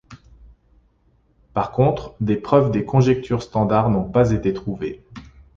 Par contre, des preuves des conjectures standard n'ont pas été trouvées.